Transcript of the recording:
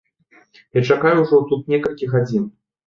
Я чакаю ўжо тут некалькі гадзін.